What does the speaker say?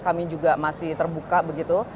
kami juga masih terbuka begitu